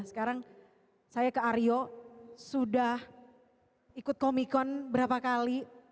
sekarang saya ke aryo sudah ikut comikon berapa kali